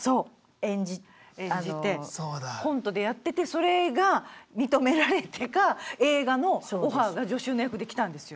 演じてコントでやっててそれが認められてか映画のオファーが女囚の役で来たんですよ。